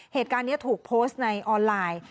เหตุการณ์นี้ถูกโพสต์ในออนไลน์